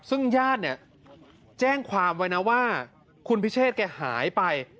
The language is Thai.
ซึ่งญาติเนี่ยแจ้งความไว้นะว่าคุณพิเชษแกหายไป